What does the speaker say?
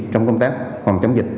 trong công tác phòng chống dịch